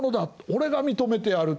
俺が認めてやる」。